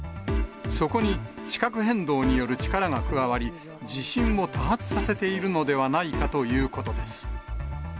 そこに地殻変動による力が加わり、地震を多発させているのではないかということです。